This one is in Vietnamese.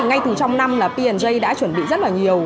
ngay từ trong năm là p j đã chuẩn bị rất là nhiều